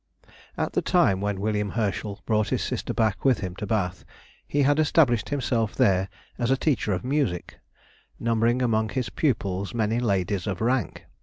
AT the time when William Herschel brought his sister back with him to Bath, he had established himself there as a teacher of music, numbering among his pupils many ladies of rank.